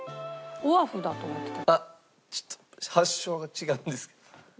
あっちょっと発祥が違うんですけど。